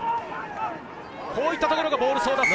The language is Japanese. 置いたところがボール。